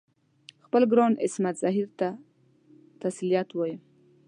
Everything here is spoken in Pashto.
خپل ګران عصمت زهیر ته تسلیت وایم.